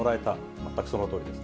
全くそのとおりです。